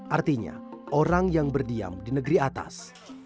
artinya orang yang berdiam di negeri atas